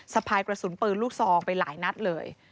สะพายกระสุนปืนลูกซองไปหลายนัดเลย